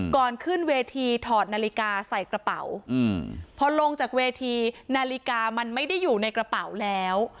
ก่อนขึ้นเวทีถอดนาฬิกาใส่กระเป๋าพอลงจากเวทีนาฬิกามันไม่ได้อยู่ในกระเป๋าแล้ว